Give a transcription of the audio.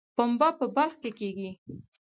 پنبه په بلخ کې کیږي